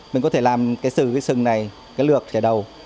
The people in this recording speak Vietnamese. mình có thể làm cái xử cái sừng này cái lược cái đầu